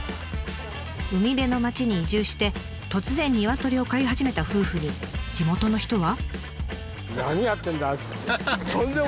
海辺の町に移住して突然ニワトリを飼い始めた夫婦に地元の人は。